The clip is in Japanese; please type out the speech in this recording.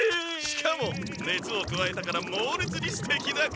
しかもねつをくわえたからもうれつにすてきなかおり！